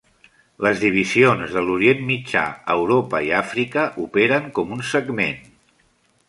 Les divisions de l'Orient Mitjà, Europa i Àfrica operen com un segment.